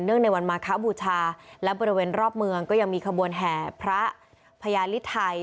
เนื่องในวันมาข้าวบุธาและบริเวณรอบเมืองก็ยังมีขบวนแห่พระพญาฬิทัย